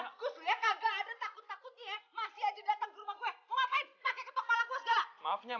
mau ngapain pakai ketok kepala gue segala